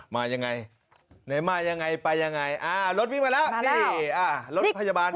มายังไงมายังไงไปยังไงรถวิ่งมาแล้วรถพยาบาล